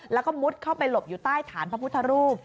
แล้วก็มุดเข้าไปหลบอยู่ใต้ฐานพระพุทธรูป